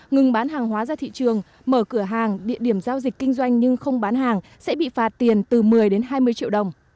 ngừng bán hàng hóa ra thị trường mở cửa hàng địa điểm giao dịch kinh doanh nhưng không bán hàng sẽ bị phạt tiền từ một mươi đến hai mươi triệu đồng